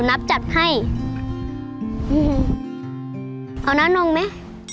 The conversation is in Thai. อืมเอาน้ำนงมั้ย